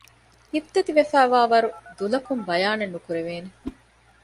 ހިތްދަތި ވެފައިވާވަރު ދުލަކުން ބަޔާނެއް ނުކުރެވޭނެ